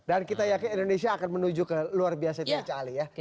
dan kita yakin indonesia akan menuju ke luar biasa itu cak ali